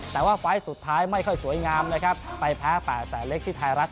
แต่ว่าไฟล์สุดท้ายไม่ค่อยสวยงามนะครับไปแพ้๘แสนเล็กที่ไทยรัฐ